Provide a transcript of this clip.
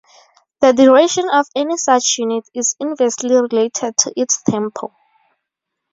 The duration of any such unit is inversely related to its tempo.